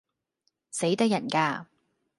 死得人架